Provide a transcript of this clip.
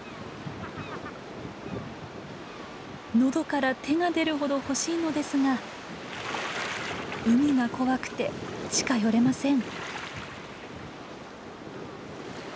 喉から手が出るほど欲しいのですが海が怖くて近寄れません。